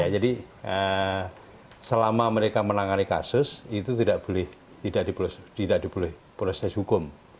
jadi selama mereka menangani kasus itu tidak boleh dipolos tidak dipolos tidak dipolos hukum